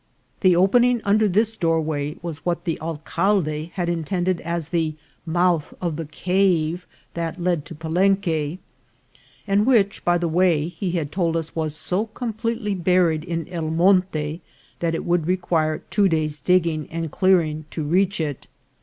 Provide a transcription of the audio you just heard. The opening under this doorway was what the al calde had intended as the mouth of the cave that led to Palenque, and which, by the way, he had told us was so completely buried in El Monte that it would re quire two days digging and clearing to reach it.